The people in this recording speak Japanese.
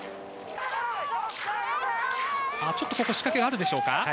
ちょっとここ仕掛けがあるでしょうか。